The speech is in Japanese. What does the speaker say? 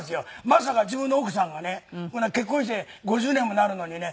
まさか自分の奥さんがね結婚して５０年もなるのにね